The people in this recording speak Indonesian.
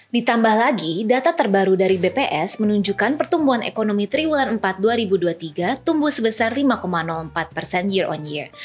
ditambah lagi data terbaru dari bps menunjukkan pertumbuhan ekonomi triwulan empat dua ribu dua puluh tiga tumbuh sebesar lima empat persen year on year